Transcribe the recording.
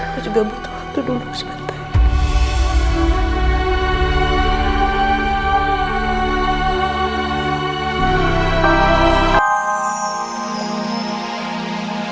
aku juga butuh waktu dulu sebentar